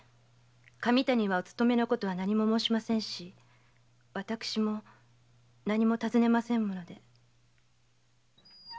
神谷はお勤めのことは何も申しませんし私も何も尋ねませんもので。